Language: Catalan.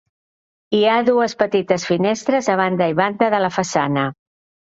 Hi ha dues petites finestres a banda i banda de la façana.